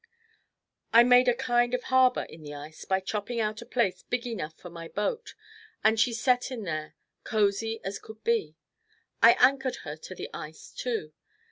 I made a kind of harbor in the ice by chopping out a place big enough for my boat and she set in there cozy as could be. I anchored her to the ice too.